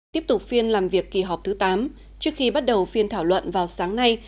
tiếp tục phiên làm việc kỳ họp thứ tám trước khi bắt đầu phiên thảo luận vào sáng nay